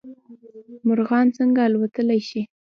مرغان څنګه الوتلی شي؟